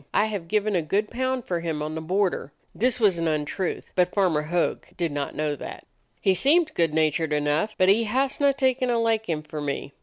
I have given a good pound for him on the border." (This was an untruth, but Farmer Hogg did not know that.) "He seemed good natured enough, but he hasna taken a liking for me.